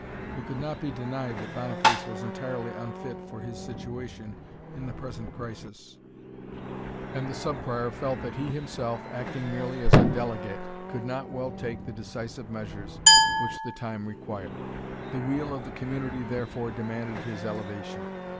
It could not be denied that Boniface was entirely unfit for his situation in the present crisis; and the Sub Prior felt that he himself, acting merely as a delegate, could not well take the decisive measures which the time required; the weal of the Community therefore demanded his elevation.